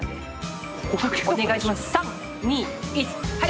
お願いします。